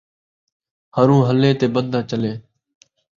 ہݨوں ہلّے تے بن٘دہ چلّے